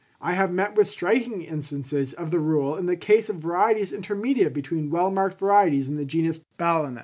I have met with striking instances of the rule in the case of varieties intermediate between well marked varieties in the genus Balanus.